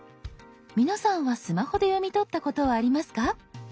皆さんはスマホで読み取ったことはありますか？